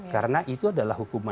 karena itu adalah hukuman mati